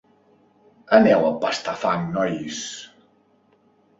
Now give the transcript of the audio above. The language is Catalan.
Aneu a pastar fang, nois!